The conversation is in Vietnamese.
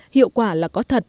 hiệu quả là có thật